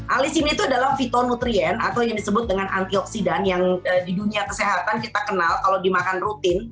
alisin itu adalah fitonutrien atau yang disebut dengan antioksidan yang di dunia kesehatan kita kenal kalau dimakan rutin